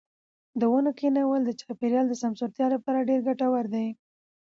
د ونو کښېنول د چاپیریال د سمسورتیا لپاره ډېر ګټور دي.